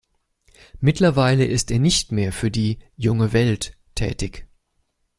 Mittlerweile ist er nicht mehr für die "junge Welt" tätig.